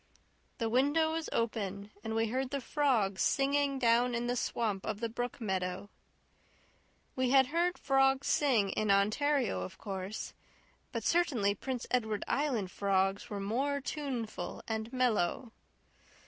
The window was open and we heard the frogs singing down in the swamp of the brook meadow. We had heard frogs sing in Ontario, of course; but certainly Prince Edward Island frogs were more tuneful and mellow.